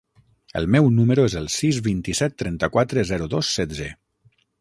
El meu número es el sis, vint-i-set, trenta-quatre, zero, dos, setze.